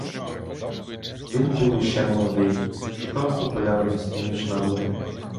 Він був іще молодий, шукав популярності між народом.